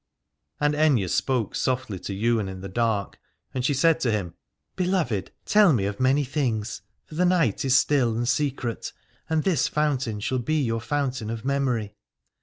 And Aithne spoke softly to Ywain in the dark, and she said to him : Beloved, tell me 296 Alad ore of many things, for the night is still and secret, and this fountain shall be your foun tain of memory.